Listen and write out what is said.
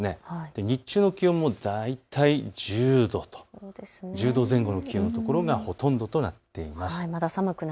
日中の気温も大体１０度とか１０度前後の気温の所がほとんどとなっています。